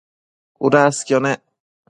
cudasquio nec